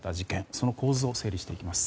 その構図を整理していきます。